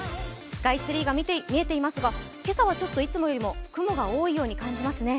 スカイツリーが見えていますが、今朝はちょっといつもよりも雲が多いように感じますね。